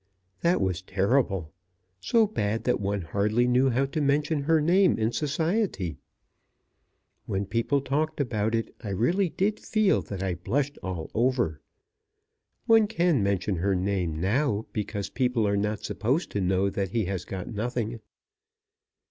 That was terrible; so bad that one hardly knew how to mention her name in society! When people talked about it, I really did feel that I blushed all over. One can mention her name now because people are not supposed to know that he has got nothing.